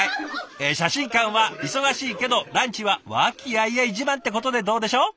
え写真館は忙しいけどランチは和気あいあい自慢ってことでどうでしょう？